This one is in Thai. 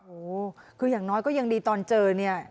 โอ้โหคืออย่างน้อยก็ยังดีตอนเจอเนี่ย